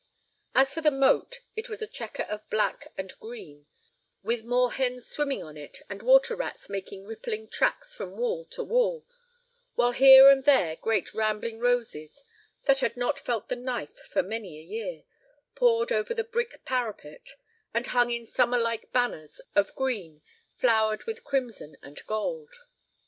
As for the moat, it was a checker of black and green, with moor hens swimming on it and water rats making rippling tracks from wall to wall, while here and there great rambling roses, that had not felt the knife for many a year, poured over the brick parapet, and hung in summer like banners of green flowered with crimson and gold.